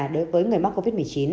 đối với người mắc covid một mươi chín